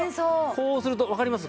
こうするとわかります？